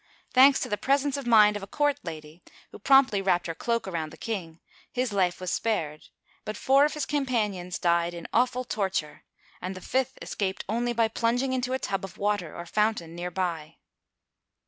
Thanks to the presence of mind of a court lady, who promptly wrapped her cloak around the king, his life was spared ; but four of his companions died in awful torture, and the fifth escaped only by plunging into a tub of water, or fountain, near by.